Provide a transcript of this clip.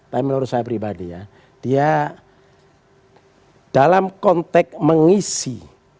tapi menurut saya pribadi ya dia dalam konteks mengisi